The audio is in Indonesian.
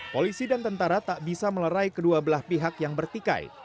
polisi dan tentara tak bisa melerai kedua belah pihak yang bertikai